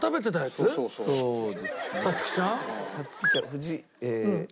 藤。